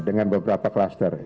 dengan beberapa klaster